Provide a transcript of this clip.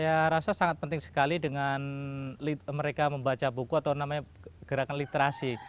saya rasa sangat penting sekali dengan mereka membaca buku atau namanya gerakan literasi